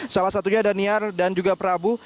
salah satunya ada niar dan juga prabu